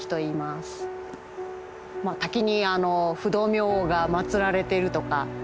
滝に不動明王が祀られているとか。